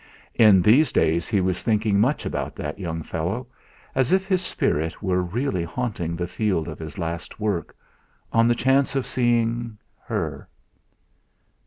In these days he was thinking much about that young fellow, as if his spirit were really haunting the field of his last work, on the chance of seeing her.